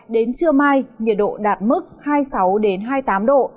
đến trưa mai nhiệt độ đạt mức hai mươi sáu hai mươi tám độ